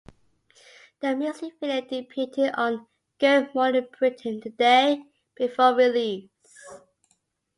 The music video debuted on Good Morning Britain the day before release.